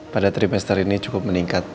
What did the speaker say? pada trimester ini cukup meningkat